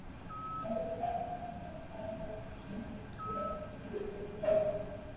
এক এক এলাকার জন্যে এক এক কারণ দায়ী হলেও সামগ্রিকভাবে এরা সকলেই হৃদ রোগের কারণ।